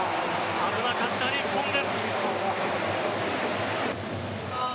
危なかった日本です。